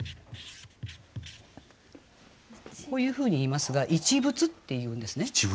こういうふうにいいますが「一物」っていうんですね。